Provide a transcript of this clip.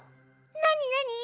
何何？